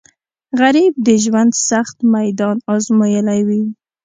غریب د ژوند سخت میدان ازمویلی وي